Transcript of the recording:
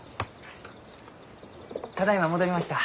ただいま戻りました。